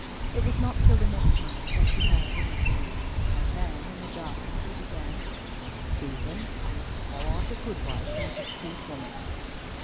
It was not till the next night that she heard anything, and then, in the darkness, he began, "Susan, thou art a good wife and a discreet woman."